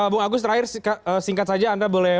bung agus terakhir singkat saja anda boleh